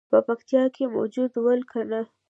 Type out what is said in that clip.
په پکتیا کې موجود ول کنه.